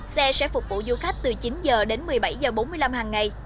xe sẽ phục vụ du khách từ chín h đến một mươi bảy h bốn mươi năm hàng ngày